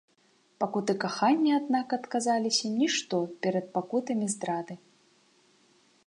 Пакуты кахання, аднак, аказаліся нішто перад пакутамі здрады.